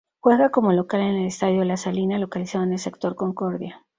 Juega como local en el estadio La Salina localizado en el sector Concordia.